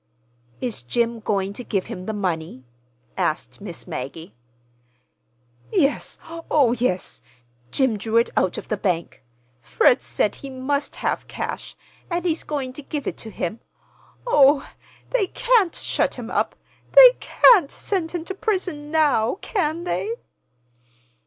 "Is Jim going to give him the money?" asked Miss Maggie. "Yes, oh, yes. Jim drew it out of the bank. Fred said he must have cash. And he's going to give it to him. Oh, they can't shut him up—they can't send him to prison now, can they?"